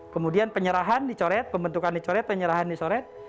kemudian penyerahan dicoret pembentukan dicoret penyerahan disoret